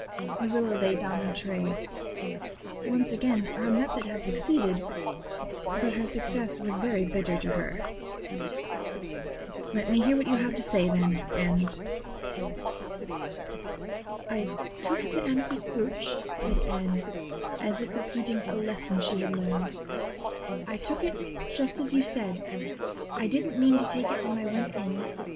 Marilla laid down her tray. Once again her method had succeeded; but her success was very bitter to her. "Let me hear what you have to say then, Anne." "I took the amethyst brooch," said Anne, as if repeating a lesson she had learned. "I took it just as you said. I didn't mean to take it when I went in.